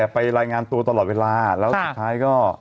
ไปรายงานตัวตลอดเวลาแล้วสุดท้ายก็